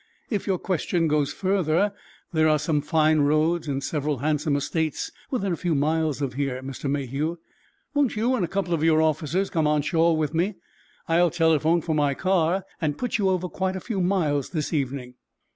"If your question goes further, there are some fine roads and several handsome estates within a few miles of here. Mr. Mayhew, won't you and a couple of your officers come on shore with me? I'll telephone for my car and put you over quite a few miles this evening."